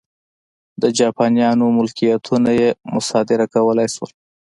د جاپانیانو ملکیتونه یې مصادره کولای شول.